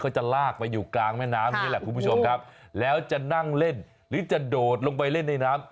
จะลากไปอยู่กลางแม่น้ำอย่างนี้แหละคุณผู้ชมครับแล้วจะนั่งเล่นหรือจะโดดลงไปเล่นในน้ำ